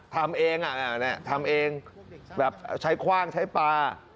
ทำเองทำเองแบบใช้คว่างใช้ปลา